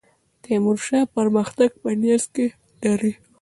تیمورشاه پرمختګ په نیت کې لري.